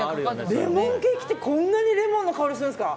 レモンケーキってこんなにレモンの香りするんですか。